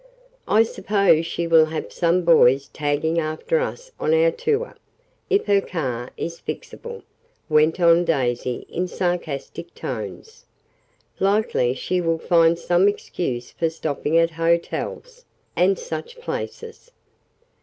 "I suppose she will have some boys tagging after us on our tour, if her car is fixable," went on Daisy in sarcastic tones. "Likely she will find some excuse for stopping at hotels, and such places.